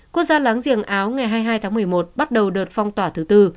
quốc gia láng giềng áo ngày hai mươi hai tháng một mươi một bắt đầu đợt phong tỏa thứ tư